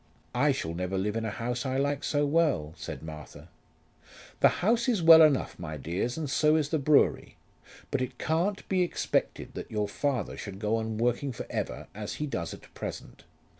"I shall never live in a house I like so well," said Martha. "The house is well enough, my dears, and so is the brewery, but it can't be expected that your father should go on working for ever as he does at present.